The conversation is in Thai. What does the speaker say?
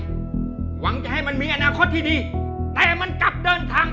หรือออกไปจากบุญบ้านได้ยิ่งดีจัง